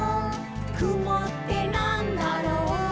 「くもってなんだろう？」